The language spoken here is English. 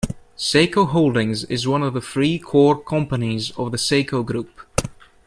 Seiko Holdings is one of the three core companies of the Seiko Group.